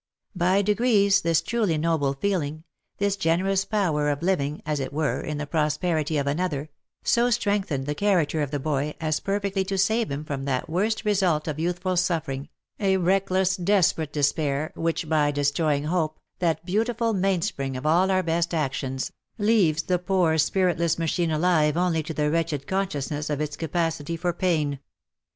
By degrees this truly noble feeling, this generous power of living, as it were, in the prosperity of another, so strengthened the character of the boy, as perfectly to save him from that worst result of youthful suffering, a reckless, desperate despair, which by destroying hope, that beautiful mainspring of all our best actions, leaves the poor spiritless machine alive only to the wretched consciousness of its capacity for pain.